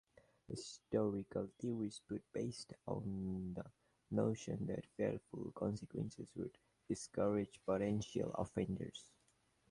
Historical theories put based on the notion that fearful consequences would discourage potential offenders.